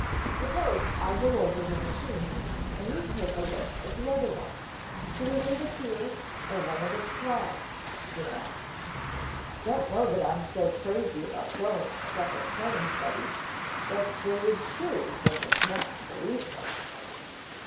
"Suppose I go over the machine and you take a look at the other one. Shall we leave it here, or one of us fly it?" Jim asked. "Don't know that I'm so crazy about going in separate planes, Buddy, but they would surely think us nuts to leave one."